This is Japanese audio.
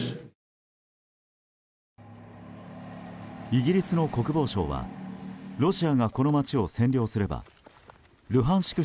イギリスの国防省はロシアがこの街を占領すればルハンシク